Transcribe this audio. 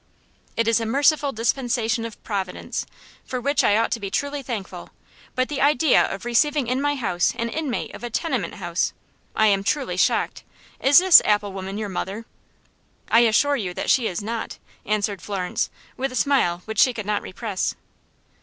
"It is a merciful dispensation of Providence, for which I ought to be truly thankful. But the idea of receiving in my house an inmate of a tenement house! I am truly shocked. Is this apple woman your mother?" "I assure you that she is not," answered Florence, with a smile which she could not repress.